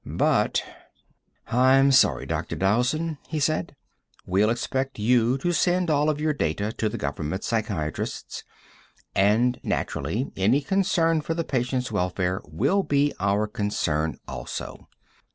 But "I'm sorry, Dr. Dowson," he said. "We'll expect you to send all of your data to the government psychiatrists and, naturally, any concern for the patient's welfare will be our concern also.